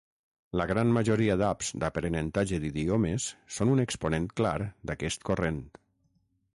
La gran majoria d'apps d'aprenentatge d'idiomes són un exponent clar d'aquest corrent.